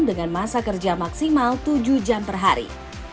dengan masa kerja maksimal tujuh jam per hari